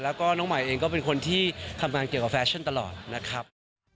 แล้วก็น้องใหม่เองก็เป็นคนที่ทำงานเกี่ยวกับแฟชั่นตลอดนะครับ